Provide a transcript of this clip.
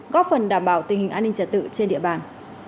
góp phần đảm bảo tình hình an ninh trật tự trên địa bàn